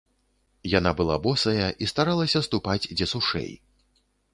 Яна была босая і старалася ступаць дзе сушэй.